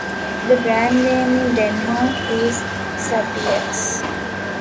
The brand name in Denmark is Sabrilex.